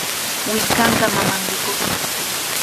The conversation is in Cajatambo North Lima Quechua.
Willkanqa mamanrikuqmi.